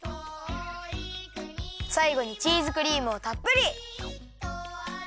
さいごにチーズクリームをたっぷり！